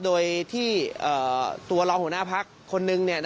โดยที่ตัวรองหัวหน้าพักคนนึง